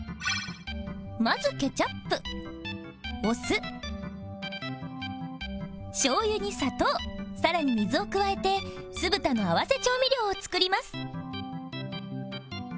まずケチャップお酢しょう油に砂糖更に水を加えて酢豚の合わせ調味料を作ります